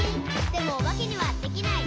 「でもおばけにはできない。」